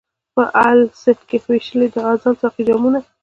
په الست کي یې وېشلي د ازل ساقي جامونه